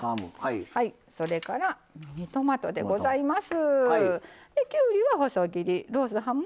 それからミニトマトでございます。